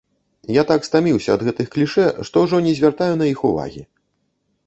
Я так стаміўся ад гэтых клішэ, што ўжо не звяртаю на іх увагі!